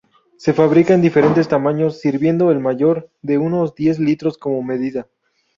Se fabrica en diferentes tamaños, sirviendo el mayor —de unos diez litros— como medida.